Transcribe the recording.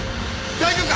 大丈夫か！？